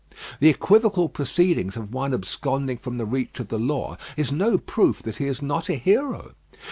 The equivocal proceedings of one absconding from the reach of the law is no proof that he is not a hero.